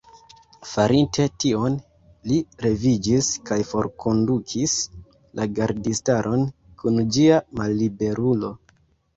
Farinte tion, li leviĝis kaj forkondukis la gardistaron kun ĝia malliberulo.